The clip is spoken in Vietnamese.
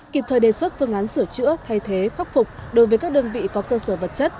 kịp thời đề xuất phương án sửa chữa thay thế khắc phục đối với các đơn vị có cơ sở vật chất